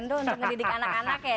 itu untuk ngedidik anak anak ya